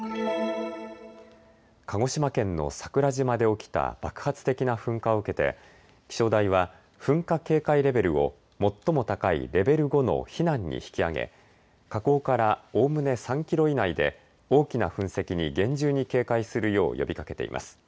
鹿児島県の桜島で起きた爆発的な噴火を受けて気象台は噴火警戒レベルを最も高いレベル５の避難に引き上げ、火口からおおむね３キロ以内で大きな噴石に厳重に警戒するよう呼びかけています。